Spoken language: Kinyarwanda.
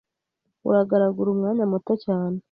Uragaragura umwanya muto cyane